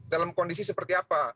dalam kondisi seperti apa